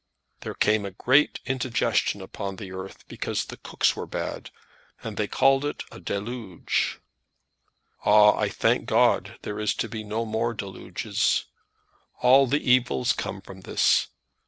There came a great indigestion upon the earth because the cooks were bad, and they called it a deluge. Ah, I thank God there is to be no more deluges. All the evils come from this.